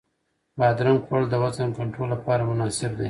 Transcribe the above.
بادرنګ خوړل د وزن کنټرول لپاره مناسب دی.